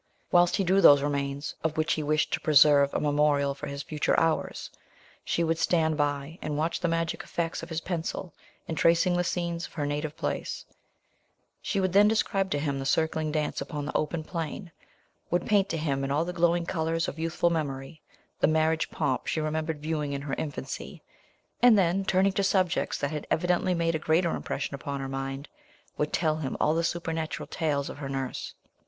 Whilst he drew those remains of which he wished to preserve a memorial for his future hours, she would stand by, and watch the magic effects of his pencil, in tracing the scenes of her native place; she would then describe to him the circling dance upon the open plain, would paint, to him in all the glowing colours of youthful memory, the marriage pomp she remembered viewing in her infancy; and then, turning to subjects that had evidently made a greater impression upon her mind, would tell him all the supernatural tales of her nurse.